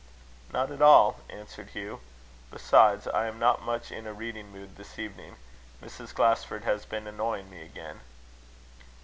"Not at all," answered Hugh. "Besides, I am not much in a reading mood this evening: Mrs. Glasford has been annoying me again."